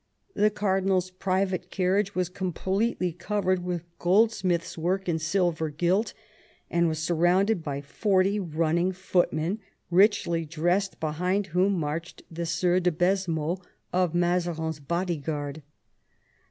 The cardinal's private carriage was completely covered with goldsmith's work in silver gilt, and was surrounded by forty running footmen richly dressed, behind whom marched the Sieur de Besmo of Mazarin's body guard."